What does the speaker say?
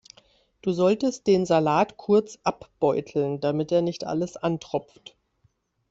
Du solltest den Salat kurz abbeuteln, damit er nicht alles antropft.